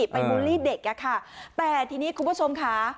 ไปบุลลี่เด็กอย่างนี้ค่ะแต่ทีนี้คุณผู้ชมค่ะ